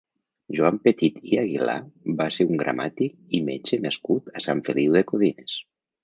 Joan Petit i Aguilar va ser un gramàtic i metge nascut a Sant Feliu de Codines.